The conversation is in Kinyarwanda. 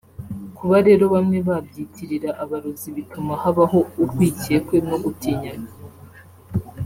kuba rero bamwe babyitirira abarozi bituma habaho urwikekwe no gutinyana